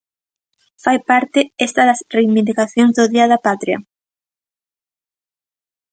Fai parte esta das reivindicacións do Día da Patria?